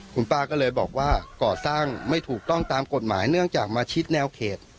คุณป้าก็เลยบอกว่าก่อสร้างไม่ถูกต้องตามกฎหมายเนื่องจากมาชิดแนวเขต